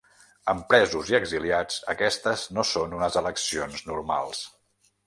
Amb presos i exiliats, aquestes no són unes eleccions normals.